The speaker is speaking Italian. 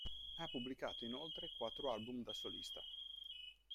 Ha pubblicato inoltre quattro album da solista.